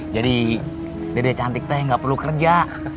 jadi dede cantik teh gak perlu kerja